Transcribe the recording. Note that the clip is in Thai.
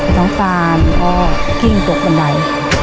น้องตานพอกิ้งตกบันได